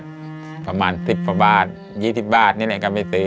ทาราบังชุดรับแขกเนี่ยออกวางแผงในปีภศ๒๕๔๖ค่ะ